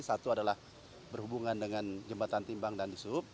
satu adalah berhubungan dengan jembatan timbang dan di sub